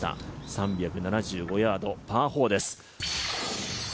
３７５ヤード、パー４です。